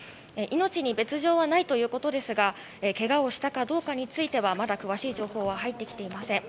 命に別条はないということですがけがをしたかどうかについてはまだ詳しい情報は入ってきていません。